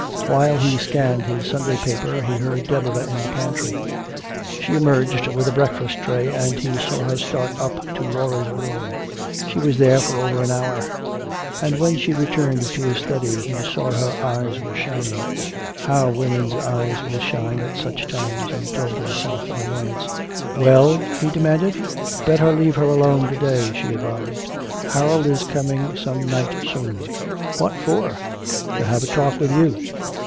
While he scanned his Sunday paper he heard Deborah in the pantry. She emerged with a breakfast tray and he saw her start up to Laura's room. She was there for over an hour. And when she returned to his study, he saw her eyes were shining. How women's eyes will shine at such times, he told himself in annoyance. "Well?" he demanded. "Better leave her alone to day," she advised. "Harold is coming some night soon." "What for?" "To have a talk with you."